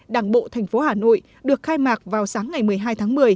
đảng bộ thành phố hà nội được khai mạc vào sáng ngày một mươi hai tháng một mươi